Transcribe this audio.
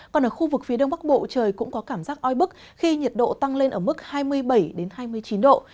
còn ở khu vực phía đông bắc bộ trời cũng có cảm giác oi bức khi nhiệt độ tăng lên ở mức hai mươi bảy hai mươi chín độ